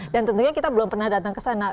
dan tentunya kita belum pernah datang kesana